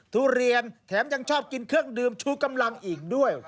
ทุเรียนแถมยังชอบกินเครื่องดื่มชูกำลังอีกด้วย